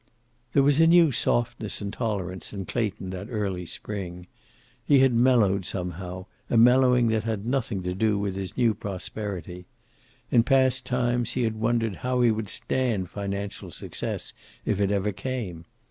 There was a new softness and tolerance in Clayton that early spring. He had mellowed, somehow, a mellowing that had nothing to do with his new prosperity. In past times he had wondered how he would stand financial success if it ever came.